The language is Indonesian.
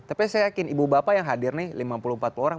tapi saya yakin ibu bapak yang hadir nih lima puluh empat puluh orang